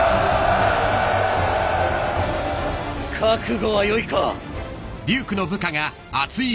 覚悟はよいか？